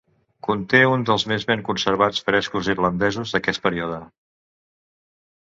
Conté un dels més ben conservats frescos irlandesos d'aquest període.